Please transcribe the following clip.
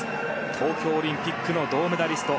東京オリンピックの銅メダリスト